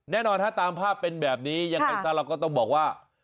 แน่นอนจะตามภาพเป็นแบบนี้จะต้องบอกว่า